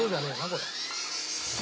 これ。